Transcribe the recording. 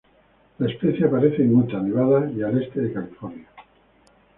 La especie aparece en Utah, Nevada y el este de California.